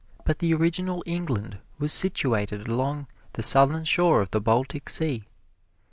But the original England was situated along the southern shore of the Baltic Sea.